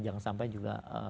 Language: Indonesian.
jangan sampai juga